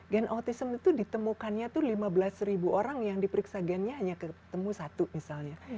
gen autism itu ditemukannya itu lima belas ribu orang yang diperiksa gennya hanya ketemu satu misalnya